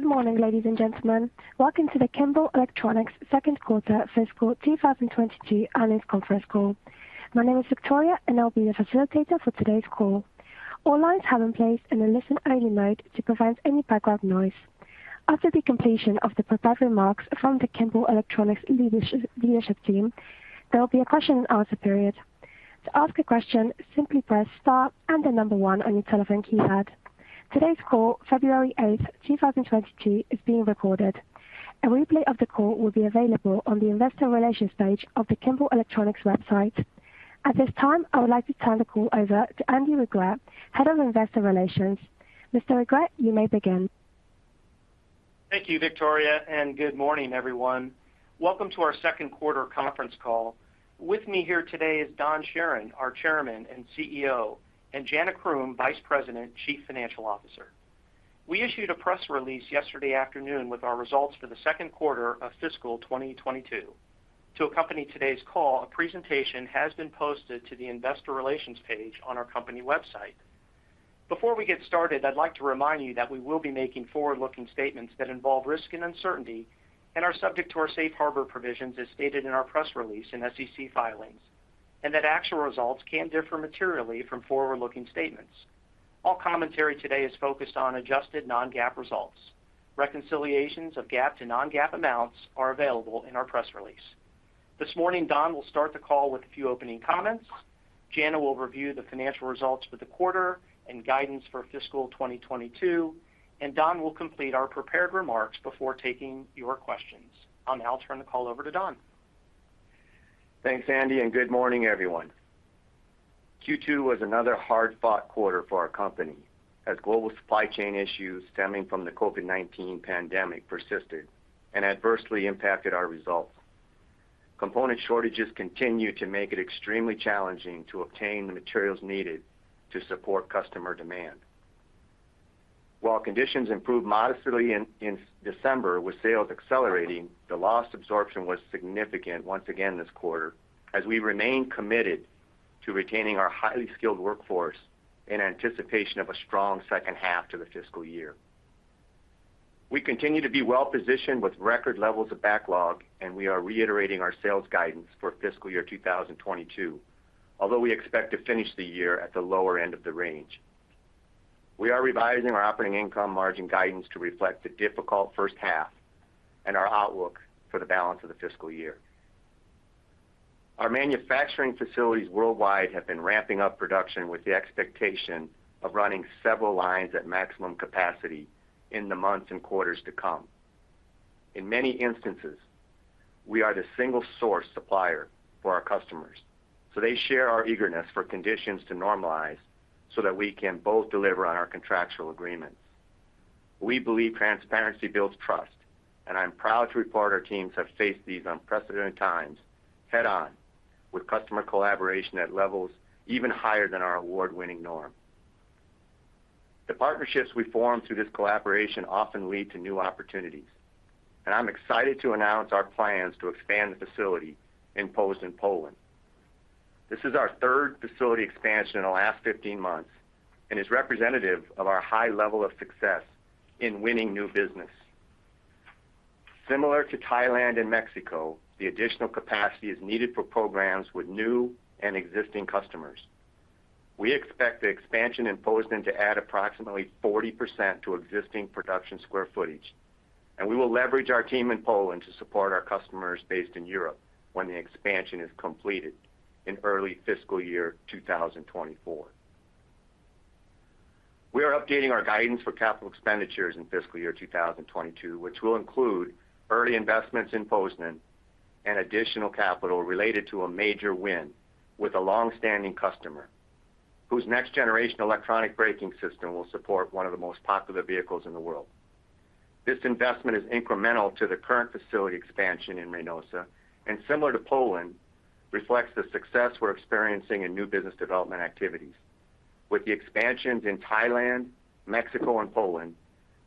Good morning, ladies and gentlemen. Welcome to the Kimball Electronics 2nd Quarter Fiscal 2022 Analyst Conference Call. My name is Victoria, and I'll be your facilitator for today's call. All lines have been placed in a listen-only mode to prevent any background noise. After the completion of the prepared remarks from the Kimball Electronics leadership team, there will be a question and answer period. To ask a question, simply press star and the number one on your telephone keypad. Today's call, February 8th, 2022, is being recorded. A replay of the call will be available on the investor relations page of the Kimball Electronics website. At this time, I would like to turn the call over to Andy Regrut, Head of Investor Relations. Mr. Regrut, you may begin. Thank you, Victoria, and good morning, everyone. Welcome to our 2nd Quarter Conference Call. With me here today is Don Charron, our Chairman and CEO, and Jana Croom, Vice President, Chief Financial Officer. We issued a press release yesterday afternoon with our results for the 2nd quarter of fiscal 2022. To accompany today's call, a presentation has been posted to the investor relations page on our company website. Before we get started, I'd like to remind you that we will be making forward-looking statements that involve risk and uncertainty and are subject to our safe harbor provisions as stated in our press release and SEC filings, and that actual results can differ materially from forward-looking statements. All commentary today is focused on adjusted non-GAAP results. Reconciliations of GAAP to non-GAAP amounts are available in our press release. This morning, Don will start the call with a few opening comments. Jana will review the financial results for the quarter and guidance for fiscal 2022, and Don will complete our prepared remarks before taking your questions. I'll now turn the call over to Don. Thanks, Andy, and good morning, everyone. Q2 was another hard-fought quarter for our company as global supply chain issues stemming from the COVID-19 pandemic persisted and adversely impacted our results. Component shortages continue to make it extremely challenging to obtain the materials needed to support customer demand. While conditions improved modestly in December with sales accelerating, the loss absorption was significant once again this quarter, as we remain committed to retaining our highly skilled workforce in anticipation of a strong second half of the fiscal year. We continue to be well-positioned with record levels of backlog, and we are reiterating our sales guidance for fiscal year 2022. Although we expect to finish the year at the lower end of the range. We are revising our operating income margin guidance to reflect the difficult first half and our outlook for the balance of the fiscal year. Our manufacturing facilities worldwide have been ramping up production with the expectation of running several lines at maximum capacity in the months and quarters to come. In many instances, we are the single source supplier for our customers, so they share our eagerness for conditions to normalize so that we can both deliver on our contractual agreements. We believe transparency builds trust, and I'm proud to report our teams have faced these unprecedented times head-on with customer collaboration at levels even higher than our award-winning norm. The partnerships we form through this collaboration often lead to new opportunities, and I'm excited to announce our plans to expand the facility in Poznań, Poland. This is our third facility expansion in the last 15 months and is representative of our high level of success in winning new business. Similar to Thailand and Mexico, the additional capacity is needed for programs with new and existing customers. We expect the expansion in Poznań to add approximately 40% to existing production square footage, and we will leverage our team in Poland to support our customers based in Europe when the expansion is completed in early fiscal year 2024. We are updating our guidance for capital expenditures in fiscal year 2022, which will include early investments in Poznań and additional capital related to a major win with a long-standing customer, whose next-generation electronic braking system will support one of the most popular vehicles in the world. This investment is incremental to the current facility expansion in Reynosa, and similar to Poland, reflects the success we're experiencing in new business development activities. With the expansions in Thailand, Mexico, and Poland,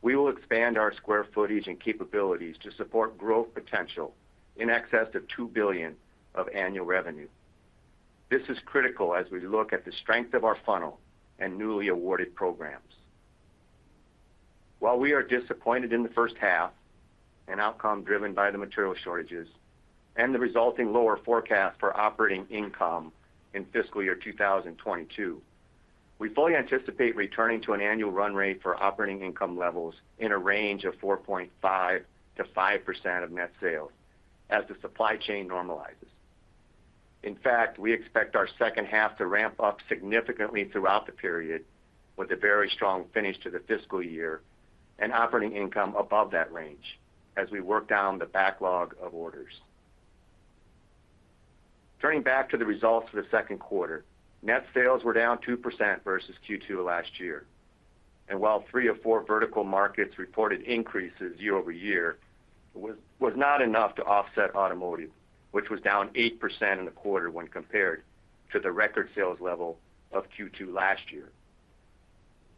we will expand our square footage and capabilities to support growth potential in excess of $2 billion of annual revenue. This is critical as we look at the strength of our funnel and newly awarded programs. While we are disappointed in the first half, an outcome driven by the material shortages and the resulting lower forecast for operating income in fiscal year 2022, we fully anticipate returning to an annual run rate for operating income levels in a range of 4.5%-5% of net sales as the supply chain normalizes. In fact, we expect our second half to ramp up significantly throughout the period with a very strong finish to the fiscal year and operating income above that range as we work down the backlog of orders. Turning back to the results for the second quarter, net sales were down 2% versus Q2 last year. While three of four vertical markets reported increases year-over-year, it was not enough to offset automotive, which was down 8% in the quarter when compared to the record sales level of Q2 last year.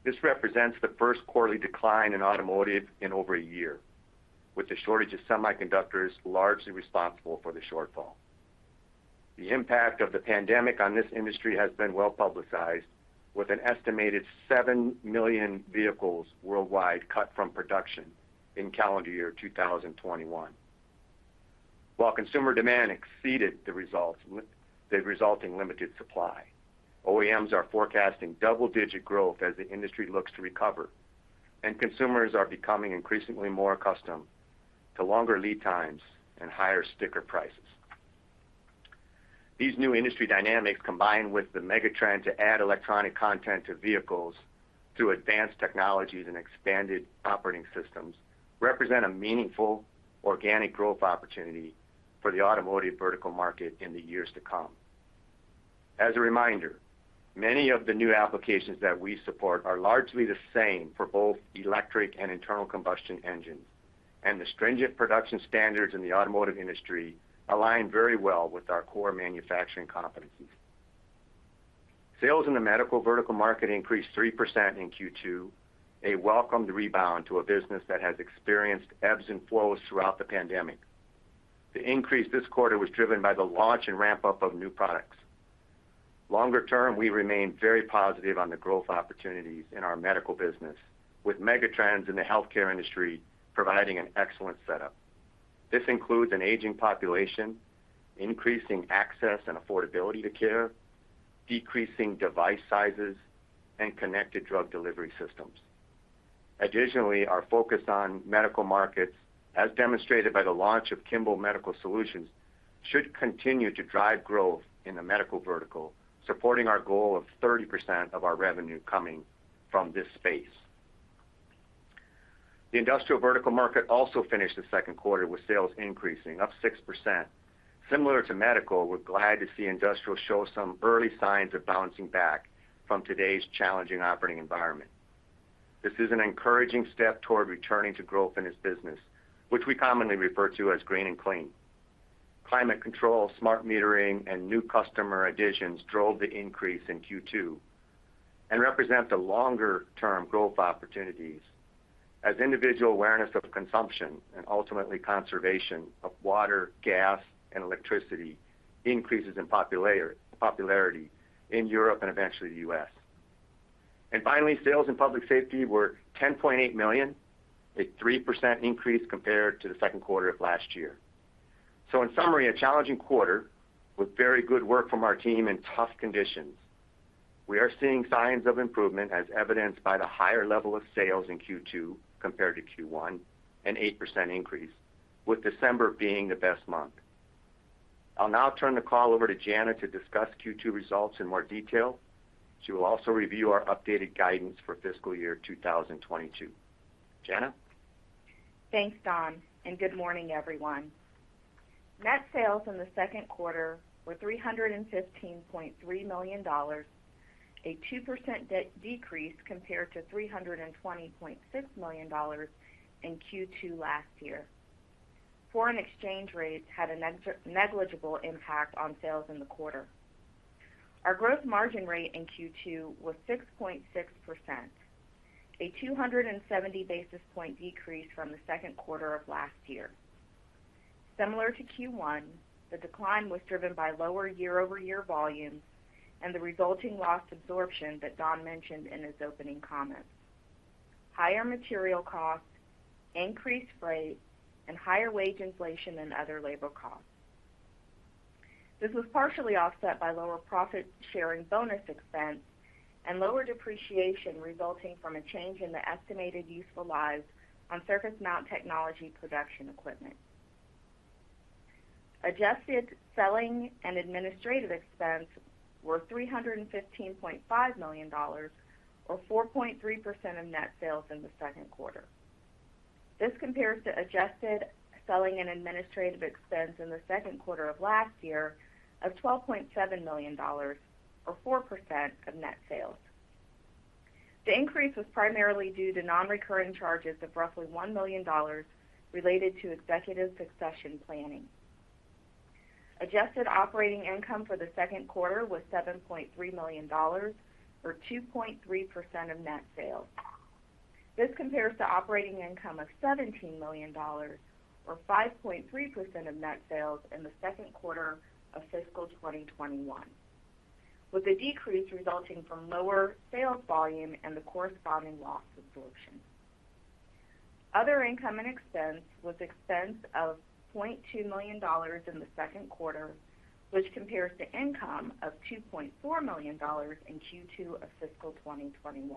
This represents the first quarterly decline in automotive in over a year, with the shortage of semiconductors largely responsible for the shortfall. The impact of the pandemic on this industry has been well-publicized, with an estimated 7 million vehicles worldwide cut from production in calendar year 2021. While consumer demand exceeded the results, the resulting limited supply, OEMs are forecasting double-digit growth as the industry looks to recover, and consumers are becoming increasingly more accustomed to longer lead times and higher sticker prices. These new industry dynamics, combined with the megatrend to add electronic content to vehicles through advanced technologies and expanded operating systems, represent a meaningful organic growth opportunity for the automotive vertical market in the years to come. As a reminder, many of the new applications that we support are largely the same for both electric and internal combustion engines, and the stringent production standards in the automotive industry align very well with our core manufacturing competencies. Sales in the medical vertical market increased 3% in Q2, a welcomed rebound to a business that has experienced ebbs and flows throughout the pandemic. The increase this quarter was driven by the launch and ramp-up of new products. Longer term, we remain very positive on the growth opportunities in our medical business, with megatrends in the healthcare industry providing an excellent setup. This includes an aging population, increasing access and affordability to care, decreasing device sizes, and connected drug delivery systems. Additionally, our focus on medical markets, as demonstrated by the launch of Kimball Medical Solutions, should continue to drive growth in the medical vertical, supporting our goal of 30% of our revenue coming from this space. The industrial vertical market also finished the second quarter with sales increasing, up 6%. Similar to medical, we're glad to see industrial show some early signs of bouncing back from today's challenging operating environment. This is an encouraging step toward returning to growth in this business, which we commonly refer to as green and clean. Climate control, smart metering, and new customer additions drove the increase in Q2 and represent the longer-term growth opportunities as individual awareness of consumption and ultimately conservation of water, gas, and electricity increases in popularity in Europe and eventually the U.S. Finally, sales in public safety were $10.8 million, a 3% increase compared to the second quarter of last year. In summary, a challenging quarter with very good work from our team in tough conditions. We are seeing signs of improvement as evidenced by the higher level of sales in Q2 compared to Q1, an 8% increase, with December being the best month. I'll now turn the call over to Jana to discuss Q2 results in more detail. She will also review our updated guidance for fiscal year 2022. Jana? Thanks, Don, and good morning, everyone. Net sales in the 2nd quarter were $315.3 million, a 2% decrease compared to $320.6 million in Q2 last year. Foreign exchange rates had a negligible impact on sales in the quarter. Our gross margin rate in Q2 was 6.6%, a 270 basis point decrease from the second quarter of last year. Similar to Q1, the decline was driven by lower year-over-year volumes and the resulting loss absorption that Don mentioned in his opening comments, higher material costs, increased freight, and higher wage inflation and other labor costs. This was partially offset by lower profit-sharing bonus expense and lower depreciation resulting from a change in the estimated useful lives on Surface Mount Technology production equipment. Adjusted selling and administrative expense were $315.5 million or 4.3% of net sales in the second quarter. This compares to adjusted selling and administrative expense in the second quarter of last year of $12.7 million or 4% of net sales. The increase was primarily due to non-recurring charges of roughly $1 million related to executive succession planning. Adjusted operating income for the second quarter was $7.3 million or 2.3% of net sales. This compares to operating income of $17 million or 5.3% of net sales in the second quarter of fiscal 2021, with a decrease resulting from lower sales volume and the corresponding loss absorption. Other income and expense was expense of $0.2 million in the second quarter, which compares to income of $2.4 million in Q2 of fiscal 2021.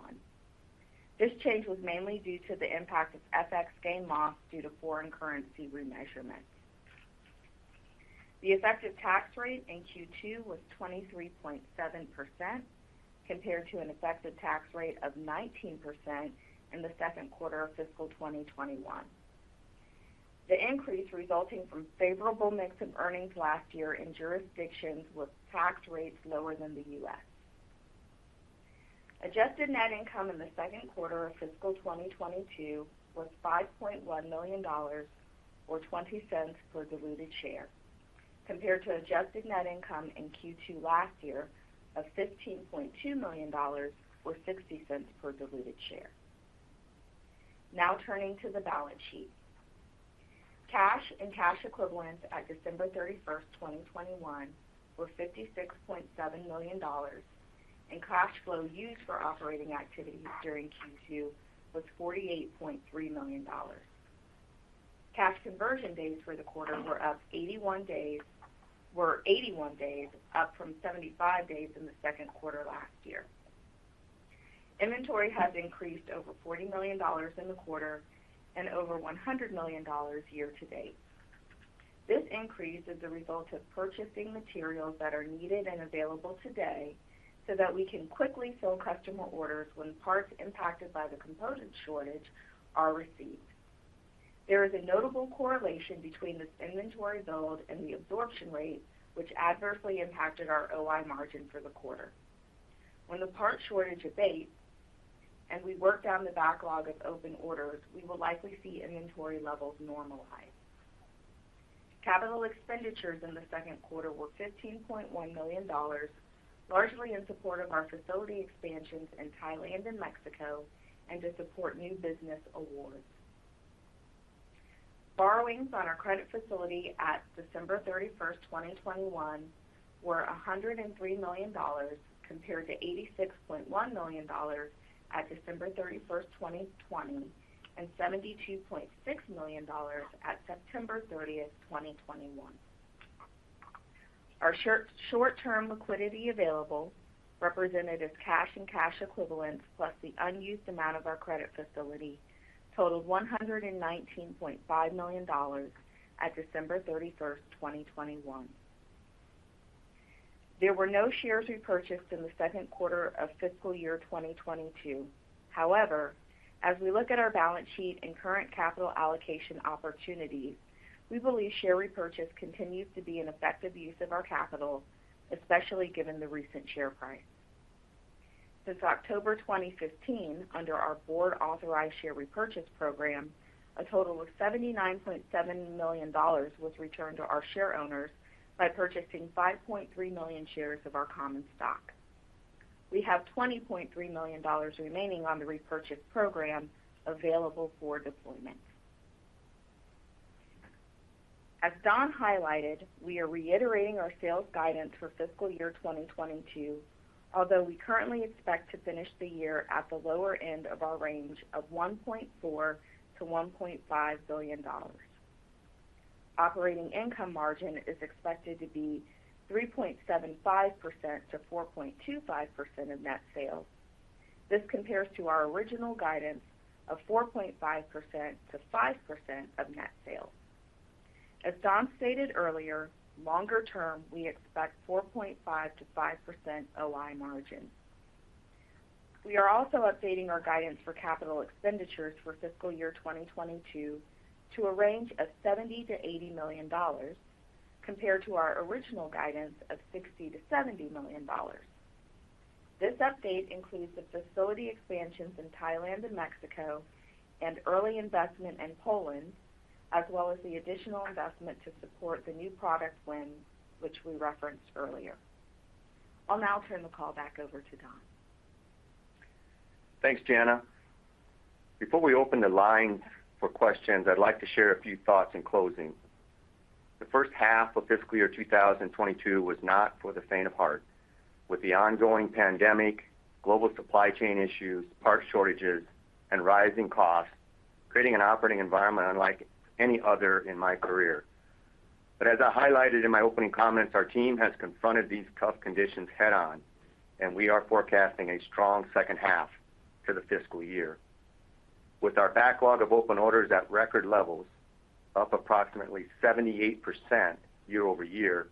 This change was mainly due to the impact of FX gain loss due to foreign currency remeasurement. The effective tax rate in Q2 was 23.7% compared to an effective tax rate of 19% in the second quarter of fiscal 2021. The increase resulting from favorable mix of earnings last year in jurisdictions with tax rates lower than the U.S. Adjusted net income in the second quarter of fiscal 2022 was $5.1 million or $0.20 per diluted share, compared to adjusted net income in Q2 last year of $15.2 million or $0.60 per diluted share. Now turning to the balance sheet. Cash and cash equivalents at December 31st, 2021 were $56.7 million, and cash flow used for operating activities during Q2 was $48.3 million. Cash conversion days for the quarter were 81 days, up from 75 days in the 2nd quarter last year. Inventory has increased over $40 million in the quarter and over $100 million year-to-date. This increase is the result of purchasing materials that are needed and available today so that we can quickly fill customer orders when parts impacted by the component shortage are received. There is a notable correlation between this inventory build and the absorption rate, which adversely impacted our OI margin for the quarter. When the part shortage abates and we work down the backlog of open orders, we will likely see inventory levels normalize. Capital expenditures in the 2nd quarter were $15.1 million, largely in support of our facility expansions in Thailand and Mexico and to support new business awards. Borrowings on our credit facility at December 31st, 2021 were $103 million, compared to $86.1 million at December 31st, 2020, and $72.6 million at September 30th, 2021. Our short-term liquidity available, represented as cash and cash equivalents plus the unused amount of our credit facility, totaled $119.5 million at December 31st, 2021. There were no shares repurchased in the 2nd quarter of fiscal year 2022. However, as we look at our balance sheet and current capital allocation opportunities, we believe share repurchase continues to be an effective use of our capital, especially given the recent share price. Since October 2015, under our board-authorized share repurchase program, a total of $79.7 million was returned to our shareowners by purchasing 5.3 million shares of our common stock. We have $20.3 million remaining on the repurchase program available for deployment. As Don highlighted, we are reiterating our sales guidance for fiscal year 2022, although we currently expect to finish the year at the lower end of our range of $1.4 billion-$1.5 billion. Operating income margin is expected to be 3.75%-4.25% of net sales. This compares to our original guidance of 4.5%-5% of net sales. As Don stated earlier, longer term, we expect 4.5%-5% OI margin. We are also updating our guidance for capital expenditures for fiscal year 2022 to a range of $70 million-$80 million, compared to our original guidance of $60 million-$70 million. This update includes the facility expansions in Thailand and Mexico and early investment in Poland, as well as the additional investment to support the new product win, which we referenced earlier. I'll now turn the call back over to Don. Thanks, Jana. Before we open the lines for questions, I'd like to share a few thoughts in closing. The first half of fiscal year 2022 was not for the faint of heart, with the ongoing pandemic, global supply chain issues, parts shortages, and rising costs creating an operating environment unlike any other in my career. As I highlighted in my opening comments, our team has confronted these tough conditions head-on, and we are forecasting a strong second half to the fiscal year. With our backlog of open orders at record levels, up approximately 78% year-over-year,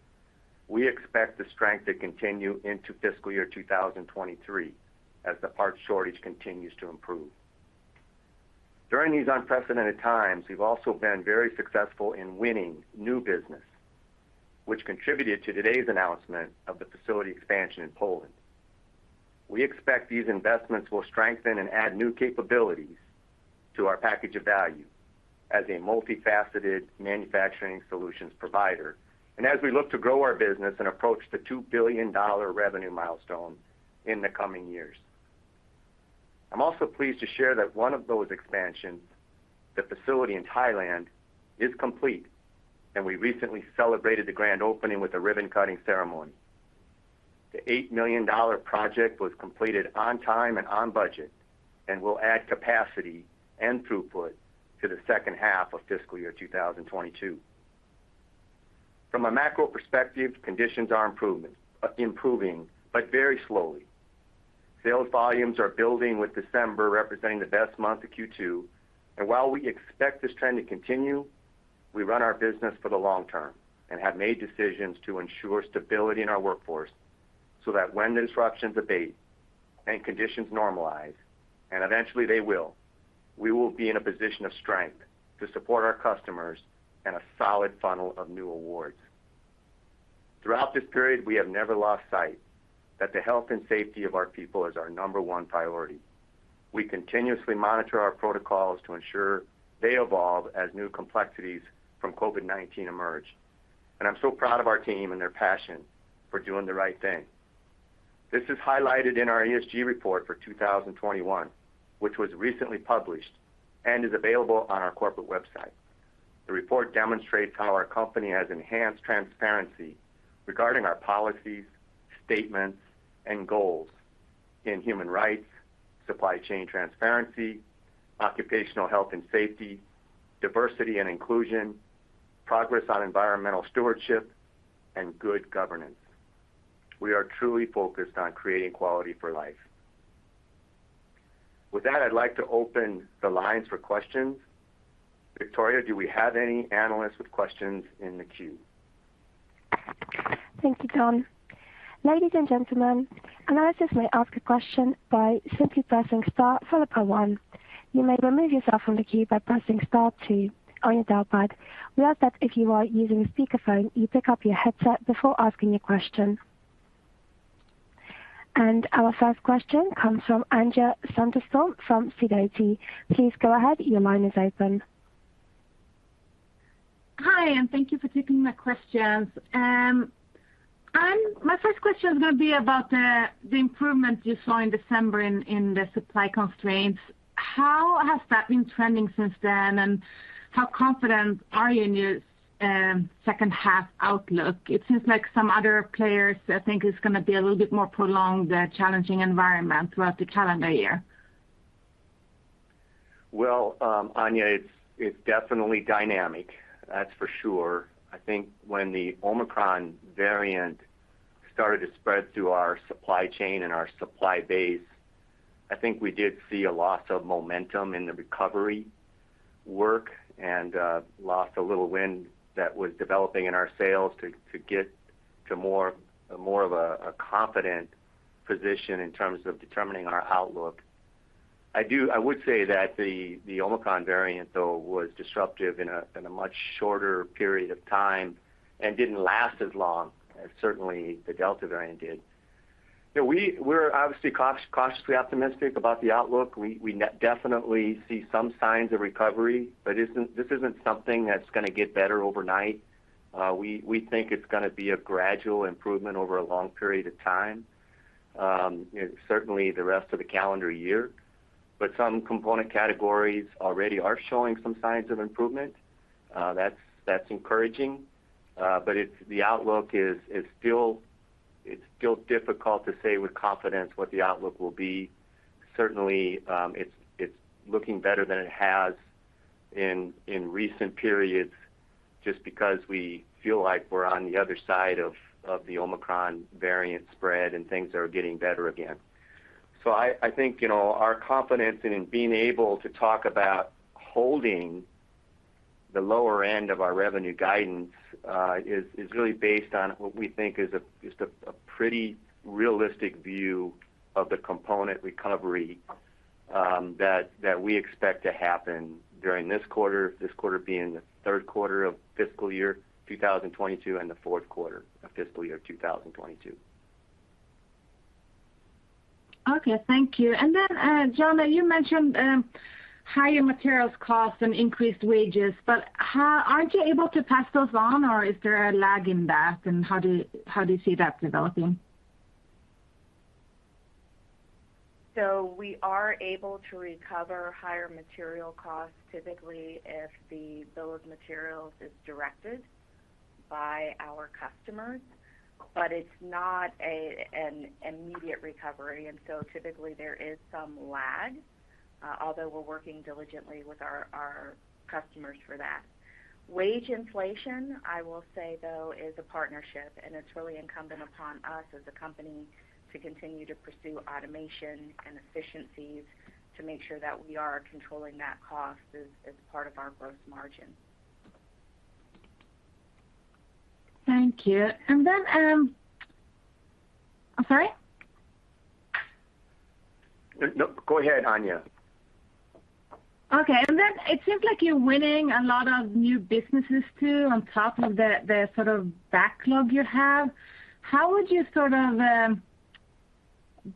we expect the strength to continue into fiscal year 2023 as the parts shortage continues to improve. During these unprecedented times, we've also been very successful in winning new business, which contributed to today's announcement of the facility expansion in Poland. We expect these investments will strengthen and add new capabilities to our package of value as a multifaceted manufacturing solutions provider, and as we look to grow our business and approach the $2 billion revenue milestone in the coming years. I'm also pleased to share that one of those expansions, the facility in Thailand, is complete, and we recently celebrated the grand opening with a ribbon-cutting ceremony. The $8 million project was completed on time and on budget and will add capacity and throughput to the second half of fiscal year 2022. From a macro perspective, conditions are improving, but very slowly. Sales volumes are building, with December representing the best month of Q2. While we expect this trend to continue, we run our business for the long term and have made decisions to ensure stability in our workforce so that when disruptions abate and conditions normalize, and eventually they will, we will be in a position of strength to support our customers and a solid funnel of new awards. Throughout this period, we have never lost sight that the health and safety of our people is our number one priority. We continuously monitor our protocols to ensure they evolve as new complexities from COVID-19 emerge. I'm so proud of our team and their passion for doing the right thing. This is highlighted in our ESG report for 2021, which was recently published and is available on our corporate website. The report demonstrates how our company has enhanced transparency regarding our policies, statements, and goals in human rights, supply chain transparency, occupational health and safety, diversity and inclusion, progress on environmental stewardship, and good governance. We are truly focused on creating quality for life. With that, I'd like to open the lines for questions. Victoria, do we have any analysts with questions in the queue? Thank you, Don. Ladies and gentlemen, analysts may ask a question by simply pressing star followed by one. You may remove yourself from the queue by pressing star two on your dial pad. We ask that if you are using a speakerphone, you pick up your headset before asking your question. Our first question comes from Anja Soderstrom from Sidoti. Please go ahead. Your line is open. Hi, thank you for taking my questions. My first question is gonna be about the improvement you saw in December in the supply constraints. How has that been trending since then, and how confident are you in your second half outlook? It seems like some other players, I think it's gonna be a little bit more prolonged, the challenging environment throughout the calendar year. Well, Anja, it's definitely dynamic, that's for sure. I think when the Omicron variant started to spread through our supply chain and our supply base, I think we did see a loss of momentum in the recovery work and lost a little wind that was developing in our sales to get to more of a confident position in terms of determining our outlook. I would say that the Omicron variant, though, was disruptive in a much shorter period of time and didn't last as long as certainly the Delta variant did. You know, we're obviously cautiously optimistic about the outlook. We definitely see some signs of recovery, but this isn't something that's gonna get better overnight. We think it's gonna be a gradual improvement over a long period of time, you know, certainly the rest of the calendar year. Some component categories already are showing some signs of improvement. That's encouraging. The outlook is still difficult to say with confidence what the outlook will be. Certainly, it's looking better than it has in recent periods just because we feel like we're on the other side of the Omicron variant spread and things are getting better again. I think, you know, our confidence in being able to talk about holding the lower end of our revenue guidance is really based on what we think is a pretty realistic view of the component recovery that we expect to happen during this quarter, this quarter being the 3rd quarter of fiscal year 2022 and the 4th quarter of fiscal year 2022. Okay. Thank you. Then, Jana, you mentioned higher materials costs and increased wages, but how aren't you able to pass those on or is there a lag in that and how do you see that developing? We are able to recover higher material costs typically if the bill of materials is directed by our customers, but it's not an immediate recovery. Typically there is some lag, although we're working diligently with our customers for that. Wage inflation, I will say though, is a partnership, and it's really incumbent upon us as a company to continue to pursue automation and efficiencies to make sure that we are controlling that cost as part of our gross margin. Thank you. I'm sorry? No, go ahead, Anja. Okay. It seems like you're winning a lot of new businesses too on top of the sort of backlog you have. How would you sort of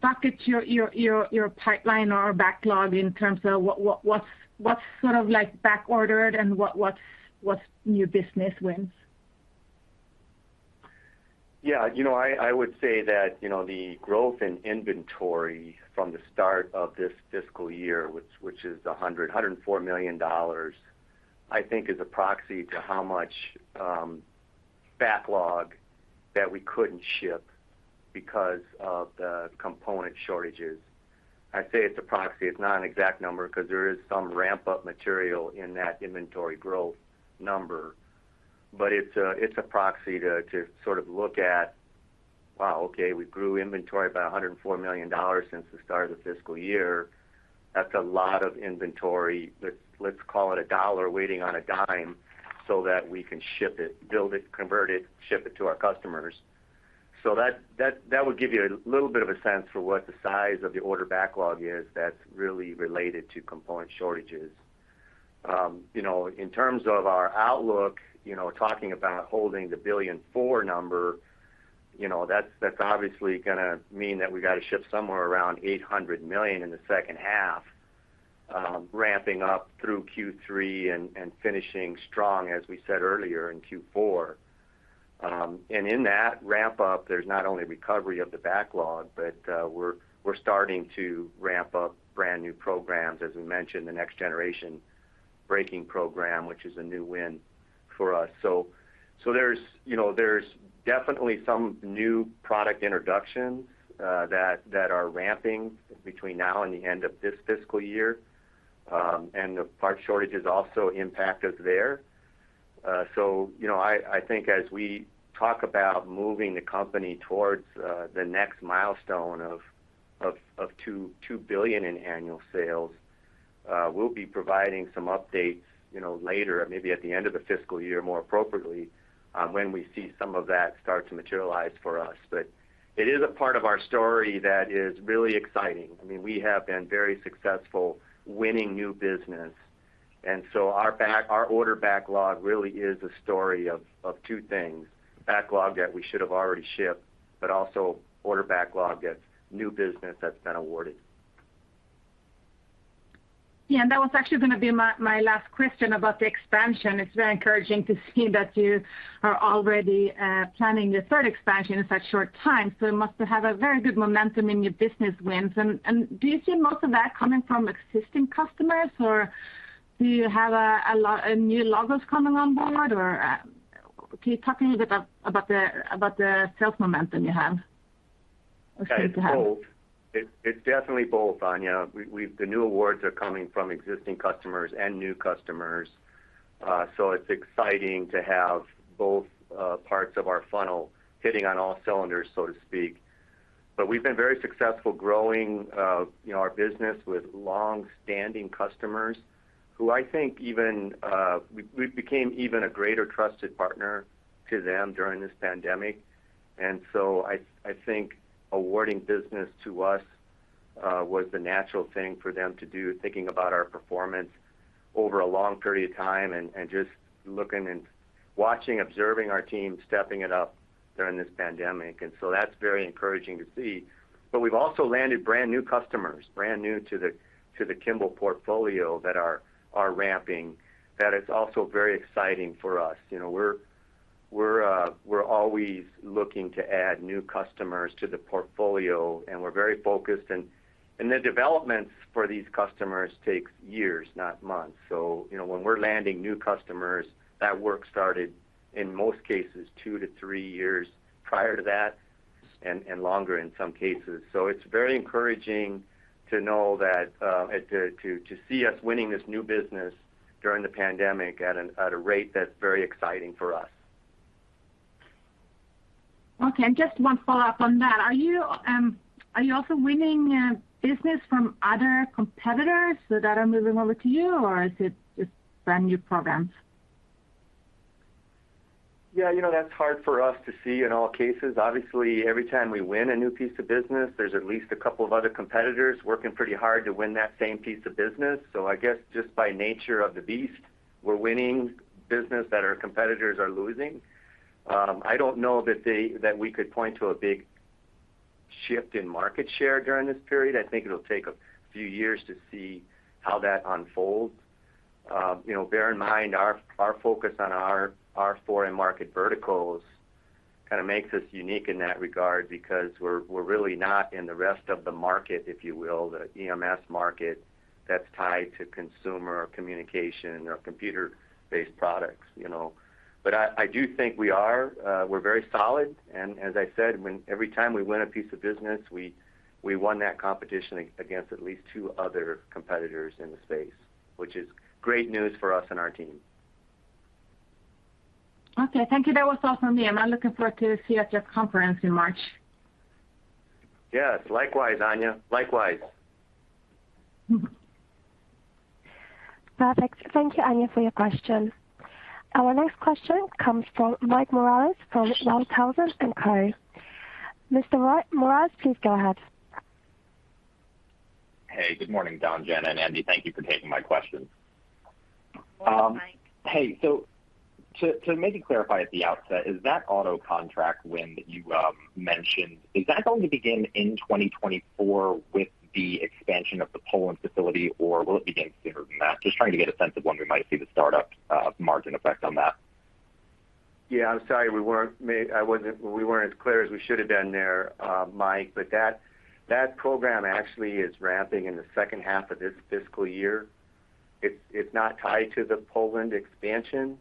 bucket your pipeline or backlog in terms of what's sort of like back ordered and what's new business wins? Yeah. You know, I would say that, you know, the growth in inventory from the start of this fiscal year which is $104 million, I think is a proxy to how much backlog that we couldn't ship because of the component shortages. I say it's a proxy. It's not an exact number 'cause there is some ramp-up material in that inventory growth number. It's a proxy to sort of look at, wow, okay, we grew inventory by $104 million since the start of the fiscal year. That's a lot of inventory. Let's call it a dollar waiting on a dime so that we can ship it, build it, convert it, ship it to our customers. That would give you a little bit of a sense for what the size of the order backlog is that's really related to component shortages. You know, in terms of our outlook, you know, talking about holding the $1.4 billion number, you know, that's obviously gonna mean that we gotta ship somewhere around $800 million in the second half. Ramping up through Q3 and finishing strong as we said earlier in Q4. In that ramp up, there's not only recovery of the backlog, but we're starting to ramp up brand new programs. As we mentioned, the next generation braking program, which is a new win for us. You know, there's definitely some new product introductions that are ramping between now and the end of this fiscal year. The part shortages also impact us there. You know, I think as we talk about moving the company towards the next milestone of $2 billion in annual sales, we'll be providing some updates, you know, later, maybe at the end of the fiscal year, more appropriately, when we see some of that start to materialize for us. It is a part of our story that is really exciting. I mean, we have been very successful winning new business, and our order backlog really is a story of two things, backlog that we should have already shipped, but also order backlog that's new business that's been awarded. Yeah. That was actually gonna be my last question about the expansion. It's very encouraging to see that you are already planning your third expansion in such short time. You must have a very good momentum in your business wins. Do you see most of that coming from existing customers, or do you have a new logos coming on board? Or, can you talk a little bit about the sales momentum you have or seem to have? Yeah, it's both. It's definitely both, Anja. The new awards are coming from existing customers and new customers. It's exciting to have both parts of our funnel hitting on all cylinders, so to speak. We've been very successful growing you know our business with long-standing customers who I think even we became even a greater trusted partner to them during this pandemic. I think awarding business to us was the natural thing for them to do, thinking about our performance over a long period of time and just looking and watching, observing our team stepping it up during this pandemic. That's very encouraging to see. We've also landed brand new customers, brand new to the Kimball portfolio that are ramping. That is also very exciting for us. You know, we're always looking to add new customers to the portfolio, and we're very focused. The developments for these customers takes years, not months. You know, when we're landing new customers, that work started, in most cases, 2-3 years prior to that and longer in some cases. It's very encouraging to know that to see us winning this new business during the pandemic at a rate that's very exciting for us. Okay. Just one follow-up on that. Are you also winning business from other competitors so that are moving over to you, or is it just brand new programs? Yeah, you know, that's hard for us to see in all cases. Obviously, every time we win a new piece of business, there's at least a couple of other competitors working pretty hard to win that same piece of business. So I guess just by nature of the beast, we're winning business that our competitors are losing. I don't know that we could point to a big shift in market share during this period. I think it'll take a few years to see how that unfolds. You know, bear in mind our focus on our four end-market verticals kinda makes us unique in that regard because we're really not in the rest of the market, if you will, the EMS market that's tied to consumer communication or computer-based products, you know. I do think we're very solid, and as I said, when every time we win a piece of business, we won that competition against at least two other competitors in the space, which is great news for us and our team. Okay. Thank you. That was all from me, and I'm looking forward to see you at your conference in March. Yes. Likewise, Anja. Likewise. Mm-hmm. Perfect. Thank you, Anja, for your question. Our next question comes from Mike Morales from Walthausen & Co. Mr. Morales, please go ahead. Hey, good morning, Don, Jana, and Andy. Thank you for taking my questions. Good morning, Mike. Hey, to maybe clarify at the outset, is that auto contract win that you mentioned, is that going to begin in 2024 with the expansion of the Poland facility, or will it begin sooner than that? Just trying to get a sense of when we might see the startup margin effect on that. Yeah. I'm sorry we weren't as clear as we should have been there, Mike, but that program actually is ramping in the second half of this fiscal year. It's not tied to the Poland expansion.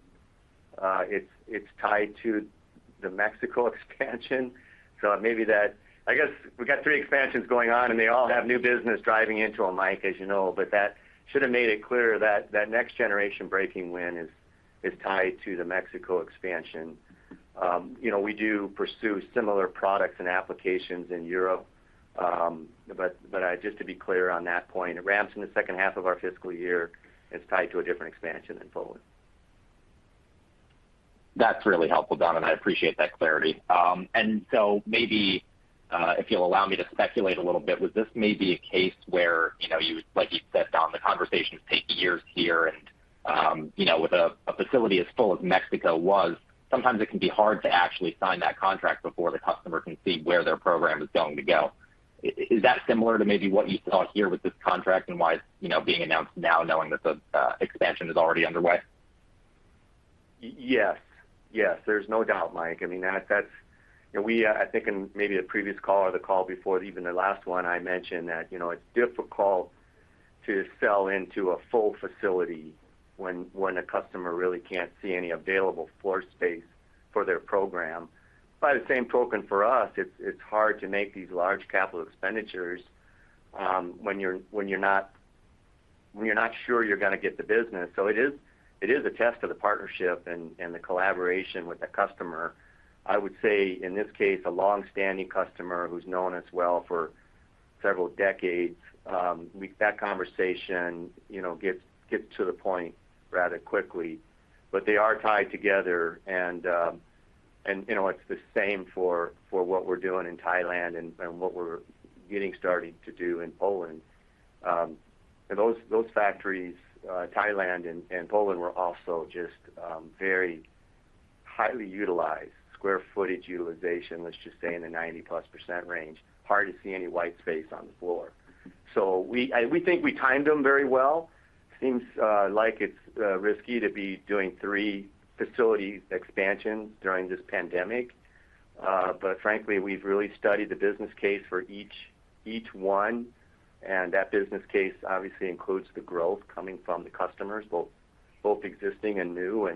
It's tied to the Mexico expansion. It may be that I guess we got three expansions going on, and they all have new business driving into them, Mike, as you know. That should have made it clear that that next generation braking win is tied to the Mexico expansion. You know, we do pursue similar products and applications in Europe. Just to be clear on that point, it ramps in the second half of our fiscal year, and it's tied to a different expansion than Poland. That's really helpful, Don, and I appreciate that clarity. Maybe if you'll allow me to speculate a little bit, would this maybe be a case where, you know, you would, like you said, Don, the conversations take years here. You know, with a facility as full as Mexico was, sometimes it can be hard to actually sign that contract before the customer can see where their program is going to go. Is that similar to maybe what you saw here with this contract and why it's, you know, being announced now knowing that the expansion is already underway? Yes. There's no doubt, Mike. I mean, that's. You know, we, I think in maybe the previous call or the call before, even the last one, I mentioned that, you know, it's difficult to sell into a full facility when a customer really can't see any available floor space for their program. By the same token, for us, it's hard to make these large capital expenditures when you're not sure you're gonna get the business. It is a test to the partnership and the collaboration with the customer. I would say in this case, a long-standing customer who's known us well for several decades, that conversation, you know, gets to the point rather quickly. They are tied together and, you know, it's the same for what we're doing in Thailand and what we're getting started to do in Poland. Those factories, Thailand and Poland were also just very highly utilized. Square footage utilization, let's just say in the 90%+ range. Hard to see any white space on the floor. We think we timed them very well. It seems like it's risky to be doing 3 facility expansions during this pandemic. Frankly, we've really studied the business case for each one, and that business case obviously includes the growth coming from the customers, both existing and new.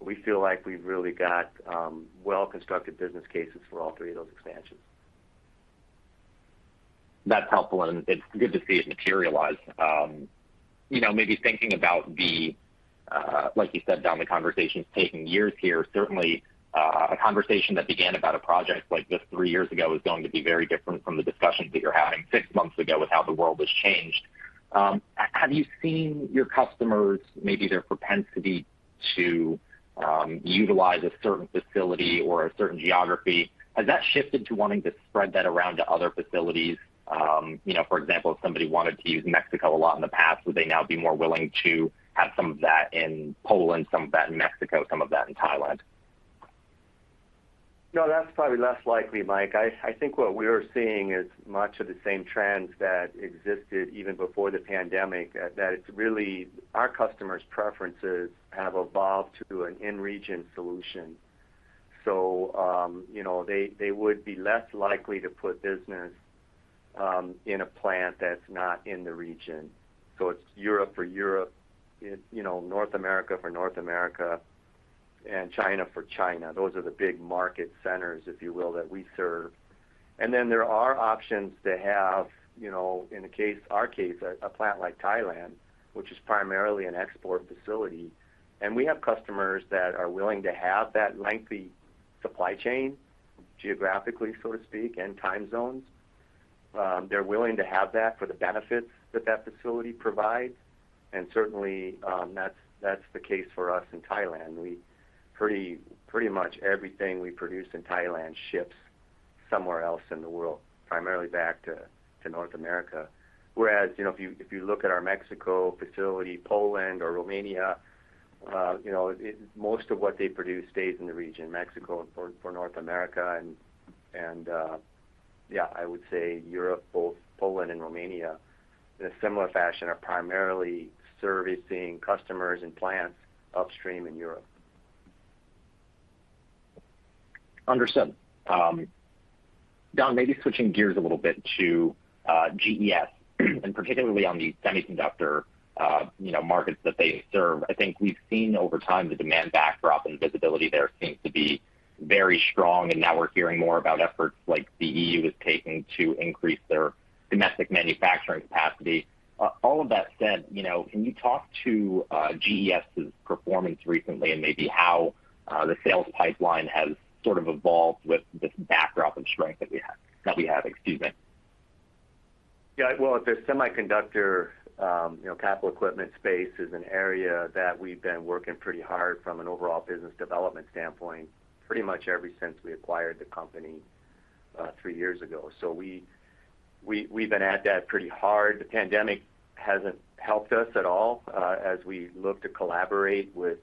We feel like we've really got well-constructed business cases for all 3 of those expansions. That's helpful, and it's good to see it materialize. You know, maybe thinking about the, like you said, Don, the conversations taking years here, certainly, a conversation that began about a project like this three years ago is going to be very different from the discussions that you're having six months ago with how the world has changed. Have you seen your customers, maybe their propensity to, utilize a certain facility or a certain geography, has that shifted to wanting to spread that around to other facilities? You know, for example, if somebody wanted to use Mexico a lot in the past, would they now be more willing to have some of that in Poland, some of that in Mexico, some of that in Thailand? No, that's probably less likely, Mike. I think what we're seeing is much of the same trends that existed even before the pandemic, that it's really our customers' preferences have evolved to an in-region solution. You know, they would be less likely to put business in a plant that's not in the region. It's Europe for Europe, you know, North America for North America, and China for China. Those are the big market centers, if you will, that we serve. Then there are options to have, you know, in the case, our case, a plant like Thailand, which is primarily an export facility. We have customers that are willing to have that lengthy supply chain geographically, so to speak, and time zones. They're willing to have that for the benefits that that facility provides. Certainly, that's the case for us in Thailand. We pretty much everything we produce in Thailand ships somewhere else in the world, primarily back to North America. Whereas, you know, if you look at our Mexico facility, Poland or Romania, you know, most of what they produce stays in the region, Mexico for North America and yeah, I would say Europe, both Poland and Romania in a similar fashion, are primarily servicing customers and plants upstream in Europe. Understood. Don, maybe switching gears a little bit to GES, and particularly on the semiconductor markets that they serve. I think we've seen over time the demand backdrop and visibility there seems to be very strong, and now we're hearing more about efforts like the EU is taking to increase their domestic manufacturing capacity. All of that said, can you talk to GES's performance recently and maybe how the sales pipeline has sort of evolved with this backdrop of strength that we have? Yeah. Well, the semiconductor, you know, capital equipment space is an area that we've been working pretty hard from an overall business development standpoint, pretty much ever since we acquired the company, three years ago. We've been at that pretty hard. The pandemic hasn't helped us at all, as we look to collaborate with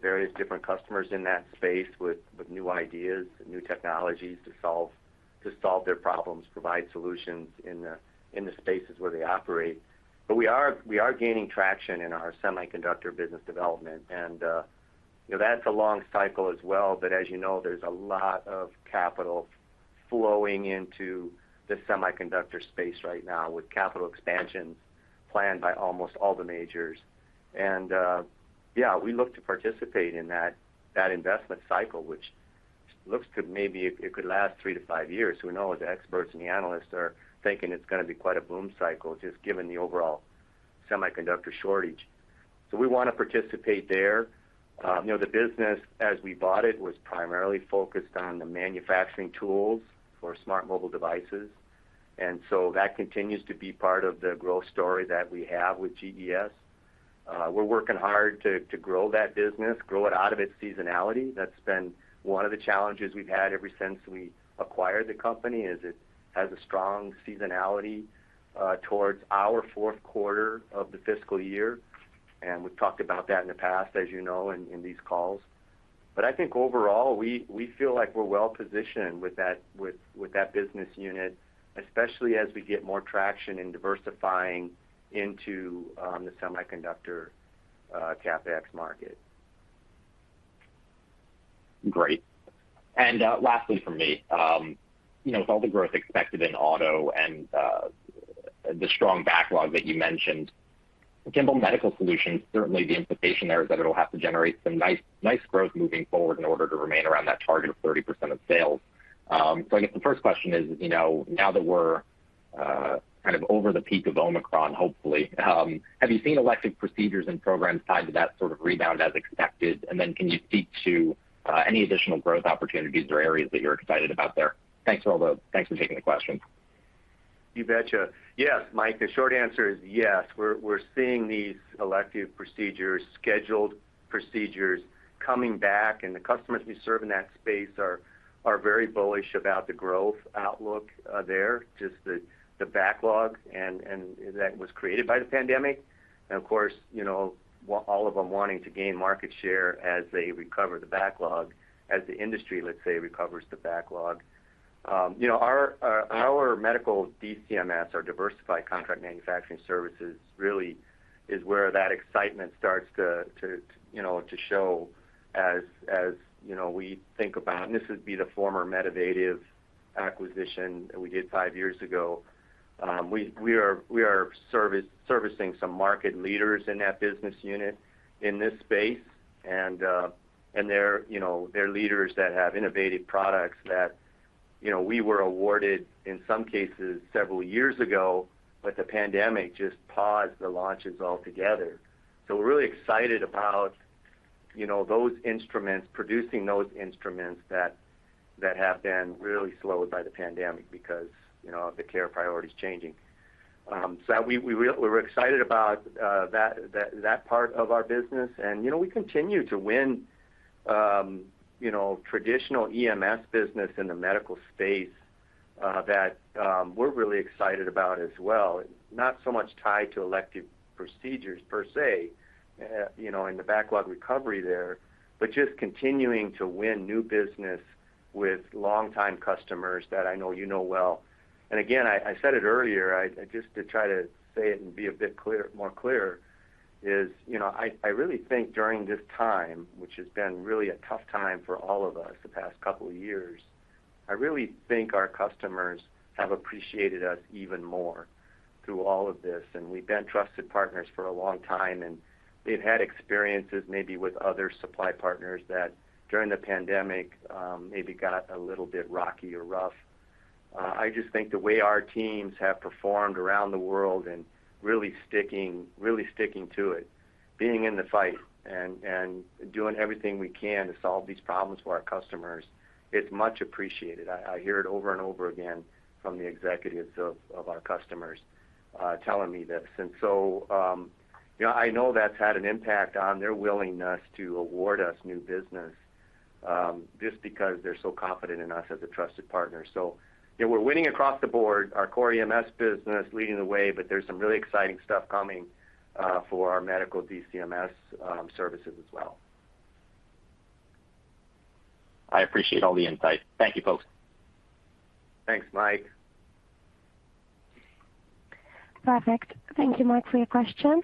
various different customers in that space with new ideas and new technologies to solve their problems, provide solutions in the spaces where they operate. We are gaining traction in our semiconductor business development. You know, that's a long cycle as well, but as you know, there's a lot of capital flowing into the semiconductor space right now with capital expansions planned by almost all the majors. Yeah, we look to participate in that investment cycle, which looks to maybe it could last three to five years. We know the experts and the analysts are thinking it's gonna be quite a boom cycle just given the overall semiconductor shortage. We wanna participate there. You know, the business as we bought it was primarily focused on the manufacturing tools for smart mobile devices. That continues to be part of the growth story that we have with GES. We're working hard to grow that business, grow it out of its seasonality. That's been one of the challenges we've had ever since we acquired the company, is it has a strong seasonality towards our fourth quarter of the fiscal year. We've talked about that in the past, as you know, in these calls. I think overall, we feel like we're well positioned with that business unit, especially as we get more traction in diversifying into the semiconductor CapEx market. Great. Lastly from me, you know, with all the growth expected in auto and the strong backlog that you mentioned, Kimball Medical Solutions, certainly the implication there is that it'll have to generate some nice growth moving forward in order to remain around that target of 30% of sales. I guess the first question is, you know, now that we're kind of over the peak of Omicron, hopefully, have you seen elective procedures and programs tied to that sort of rebound as expected? And then can you speak to any additional growth opportunities or areas that you're excited about there? Thanks for taking the question. You betcha. Yes, Mike. The short answer is yes. We're seeing these elective procedures, scheduled procedures coming back, and the customers we serve in that space are very bullish about the growth outlook there, just the backlog and that was created by the pandemic. Of course, you know, all of them wanting to gain market share as they recover the backlog, as the industry, let's say, recovers the backlog. You know, our medical DCMS, our diversified contract manufacturing services really is where that excitement starts to you know to show as you know we think about, and this would be the former Medivative acquisition that we did five years ago. We are servicing some market leaders in that business unit in this space. They're leaders that have innovative products that, you know, we were awarded in some cases several years ago, but the pandemic just paused the launches altogether. We're really excited about, you know, those instruments, producing those instruments that have been really slowed by the pandemic because, you know, of the care priorities changing. We're excited about that part of our business. You know, we continue to win, you know, traditional EMS business in the medical space that we're really excited about as well. Not so much tied to elective procedures per se, you know, in the backlog recovery there, but just continuing to win new business with longtime customers that I know you know well. Again, I said it earlier. I just to try to say it and be a bit clear, more clear is, you know, I really think during this time, which has been really a tough time for all of us the past couple of years, I really think our customers have appreciated us even more through all of this. We've been trusted partners for a long time, and they've had experiences maybe with other supply partners that during the pandemic, maybe got a little bit rocky or rough. I just think the way our teams have performed around the world and really sticking to it, being in the fight and doing everything we can to solve these problems for our customers, it's much appreciated. I hear it over and over again from the executives of our customers telling me this. You know, I know that's had an impact on their willingness to award us new business just because they're so confident in us as a trusted partner. Yeah, we're winning across the board, our core EMS business leading the way, but there's some really exciting stuff coming for our medical DCMS services as well. I appreciate all the insight. Thank you, folks. Thanks, Mike. Perfect. Thank you Mike for your question.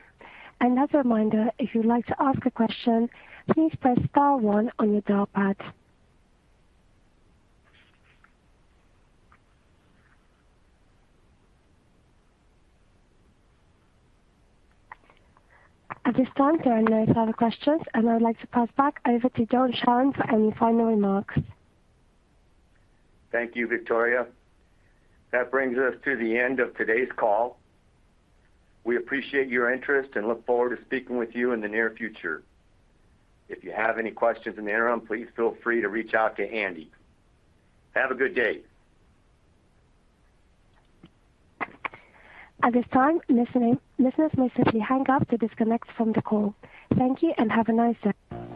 Another reminder, if you'd like to ask a question, please press star one on your dial pad. At this time, there are no further questions, and I'd like to pass back over to Don Charron for any final remarks. Thank you, Victoria. That brings us to the end of today's call. We appreciate your interest and look forward to speaking with you in the near future. If you have any questions in the interim, please feel free to reach out to Andy. Have a good day. At this time, listening-- listeners may simply hang up to disconnect from the call. Thank you and have a nice day.